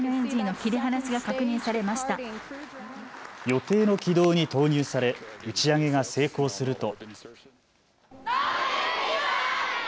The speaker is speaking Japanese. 予定の軌道に投入され打ち上げが成功すると。